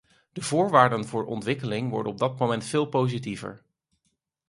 De voorwaarden voor ontwikkeling worden op dat moment veel positiever.